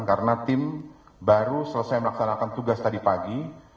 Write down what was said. karena tim baru selesai melaksanakan tugas tadi pagi